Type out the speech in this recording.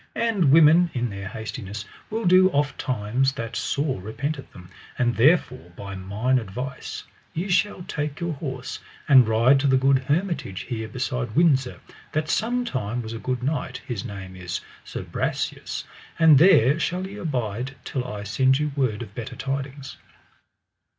And women in their hastiness will do ofttimes that sore repenteth them; and therefore by mine advice ye shall take your horse, and ride to the good hermitage here beside Windsor, that sometime was a good knight, his name is Sir Brasias, and there shall ye abide till I send you word of better tidings.